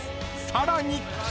［さらに］